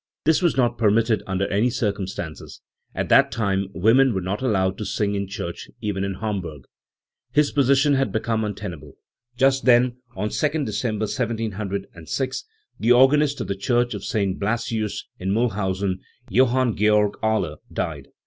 This was not permitted under any cir cumstances ; at that time women were not allowed to sing in church even in Hamburg. His position had become untenable. Just then, on 2nd December 1706, the organist of the church of St. Blasius in Miihlhausen, Johann Georg Able, died.